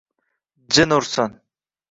Jin ursin!